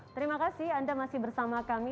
terima kasih anda masih bersama kami